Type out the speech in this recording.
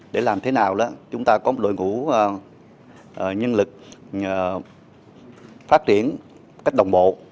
để làm thế nào đó chúng ta có một đội ngũ nhân lực phát triển cách đồng bộ